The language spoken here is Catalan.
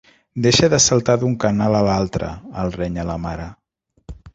Deixa de saltar d'un canal a l'altre —el renya la mare.